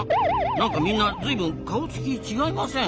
なんかみんなずいぶん顔つき違いません？